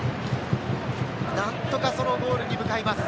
何とかそのゴールに向かいます。